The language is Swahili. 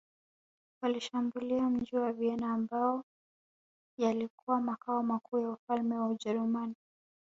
Walishambulia mji wa Vienna ambayo yalikuwa makao makuu ya ufalme wa Ujerumani